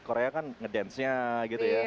korea kan ngedancenya gitu ya